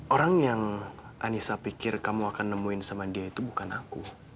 orang yang anissa pikir kamu akan nemuin sama dia itu bukan aku